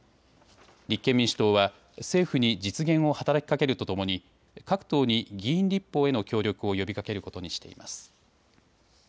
立憲民主党は政府に実現を働きかけるとともに各党に議員立法への協力を呼びかけることにしています。